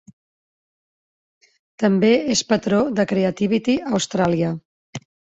També és patró de Creativity Australia.